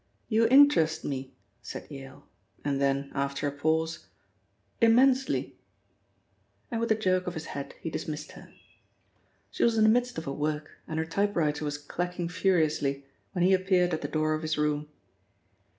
You interest me," said Yale, and then, after a pause, "immensely!" And with a jerk of his head he dismissed her. She was in the midst of her work and her typewriter was clacking furiously when he appeared at the door of his room.